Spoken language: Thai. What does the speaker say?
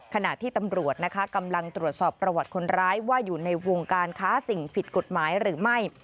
ขณะที่ตำรวจนะคะกำลังตรวจสอบประวัติคนร้ายว่าอยู่ในวงการค้าสิ่งผิดกฎหมายหรือไม่